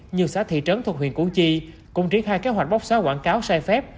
nhiều xã thị trấn thuộc huyện củ chi cũng triển khai kế hoạch bóc xóa quảng cáo sai phép